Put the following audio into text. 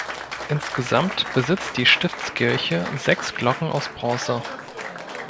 Insgesamt besitzt die Stiftskirche sechs Glocken aus Bronze.